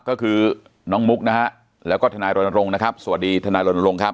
ก็คือน้องมุกนะฮะแล้วก็ทนายรณรงค์นะครับสวัสดีทนายรณรงค์ครับ